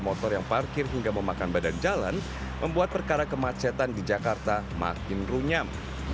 motor yang parkir hingga memakan badan jalan membuat perkara kemacetan di jakarta makin runyam